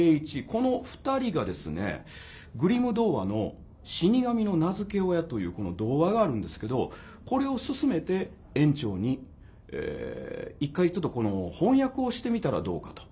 この２人がですねグリム童話の「死神の名付け親」というこの童話があるんですけどこれをすすめて圓朝に一回ちょっとこの翻訳をしてみたらどうかと。